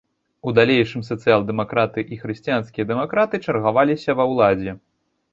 У далейшым сацыял-дэмакраты і хрысціянскія дэмакраты чаргаваліся ва ўладзе.